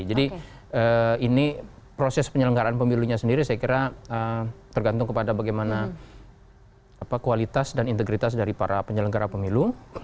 ini proses penyelenggaraan pemilunya sendiri saya kira tergantung kepada bagaimana kualitas dan integritas dari para penyelenggara pemilu